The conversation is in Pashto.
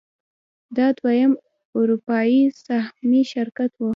دا دویم اروپايي سهامي شرکت و.